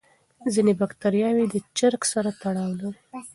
ځینې بکتریاوې د چرګ سره تړاو لري.